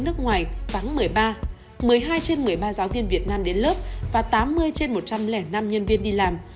một mươi hai trên một mươi ba giáo viên việt nam đến lớp và tám mươi trên một trăm linh năm nhân viên đi làm